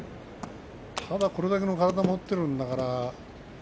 ただこれだけの体を持っているんだから。